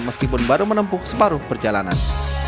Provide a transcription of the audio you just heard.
meskipun baru menempuh separuh perjalanan